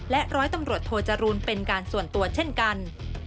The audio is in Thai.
ร้อยตำรวจโทจรูลเป็นการส่วนตัวเช่นกัน